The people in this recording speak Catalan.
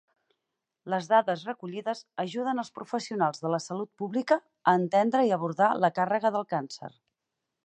Les dades recollides ajuden els professionals de la salut pública a entendre i abordar la càrrega del càncer.